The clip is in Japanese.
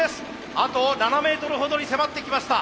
あと７メートルほどに迫ってきました。